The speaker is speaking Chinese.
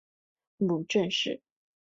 母郑氏。